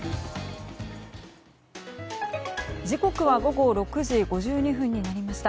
時刻は午後６時５２分になりました。